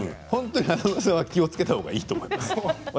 本当に華丸さんは気をつけたほうがいいと思います。